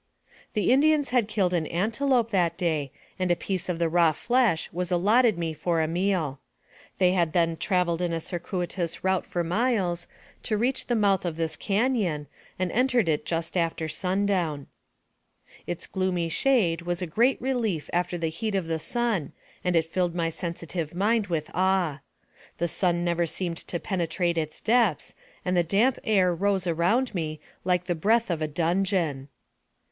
The Indians had killed an antelope that day, and a piece of the raw flesh was allotted me for a meal. They had then traveled in a circuitous route for miles, to reach the mouth of this caflon, and entered it just after sundown. Its gloomy shade was a great relief after the heat of the sun, and it filled my sensitive mind with awe. The sun never seemed to penetrate its depths, and the damp air rose around me like the breath of a dungeon.